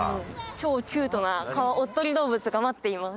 超キュートなおっとり動物が待っています。